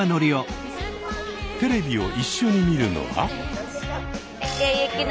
テレビを一緒に見るのは。